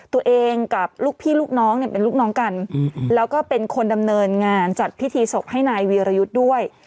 ตัวเองกับลูกพี่ลูกน้องเนี่ยเป็นลูกน้องกันแล้วก็เป็นคนดำเนินงานจัดพิธีศพให้นายวีรยุทธ์ด้วย